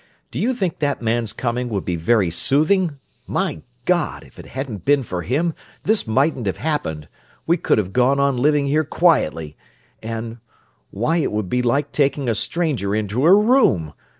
"Do you think that man's coming would be very soothing? My God! if it hadn't been for him this mightn't have happened: we could have gone on living here quietly, and—why, it would be like taking a stranger into her room!